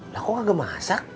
lah kok nggak masak